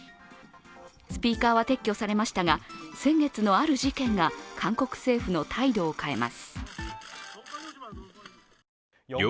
スピーカーは撤去されましたが先月のある事件が韓国政府の態度を変えます。